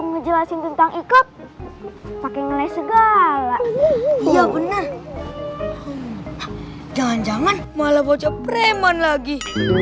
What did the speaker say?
dijelasin tentang ikat pakai ngeles segala iya bener jangan jangan malah bocah preman lagi